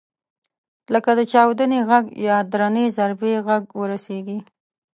لکه د چاودنې غږ یا درنې ضربې غږ ورسېږي.